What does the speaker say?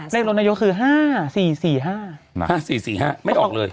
เลขรถนายกคือ๕๔๔๕๕๔๔๕ไม่ออกเลย